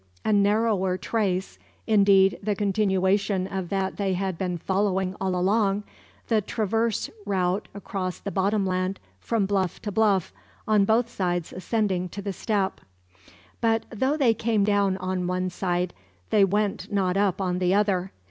A narrower trace, indeed the continuation of that they had been following all along the transverse route across the bottom land from bluff to bluff, on both sides ascending to the steppe. But though they came down on one side, they went not up on the other.